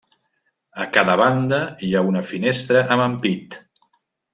A cada banda hi ha una finestra amb ampit.